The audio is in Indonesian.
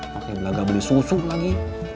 pakai belaga beli susu lagi